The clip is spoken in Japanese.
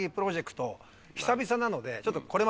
久々なので。